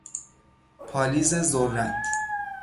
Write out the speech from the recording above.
پالیز ذرت